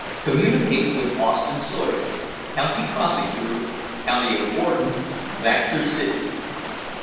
Communicate with Austin Sawyer, County prosecutor, County of Borden, Baxter City.